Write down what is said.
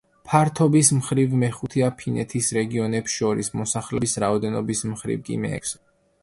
ფართობის მხრივ, მეხუთეა ფინეთის რეგიონებს შორის, მოსახლეობის რაოდენობის მხრივ კი მეექვსე.